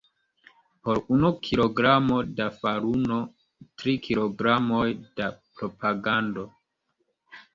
Por unu kilogramo da faruno, tri kilogramoj da propagando.